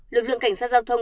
lực lượng cảnh sát giao thông